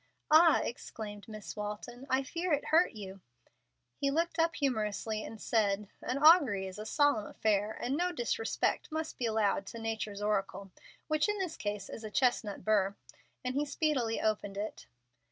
"Ah!" exclaimed Miss Walton, "I fear it hurt you." He looked up humorously and said, "An augury is a solemn affair, and no disrespect must be allowed to nature's oracle, which in this case is a chestnut burr;" and he speedily opened it.